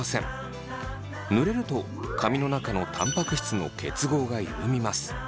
濡れると髪の中のたんぱく質の結合が緩みます。